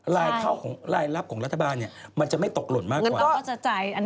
เข้าของรายลับของรัฐบาลมันจะไม่ตกหล่นมากกว่า